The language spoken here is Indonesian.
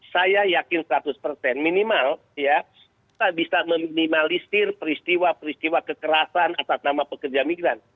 saya yakin seratus persen minimal ya kita bisa meminimalisir peristiwa peristiwa kekerasan atas nama pekerja migran